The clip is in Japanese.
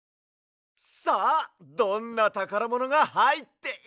さあどんなたからものがはいっているのか！？